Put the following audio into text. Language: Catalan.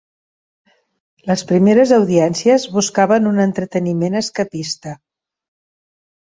Les primeres audiències buscaven un entreteniment escapista.